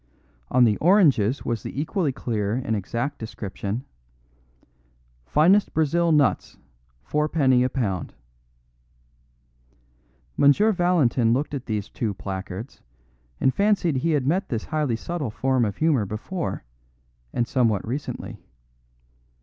On the oranges was the equally clear and exact description, "Finest Brazil nuts, 4d. a lb." M. Valentin looked at these two placards and fancied he had met this highly subtle form of humour before, and that somewhat recently.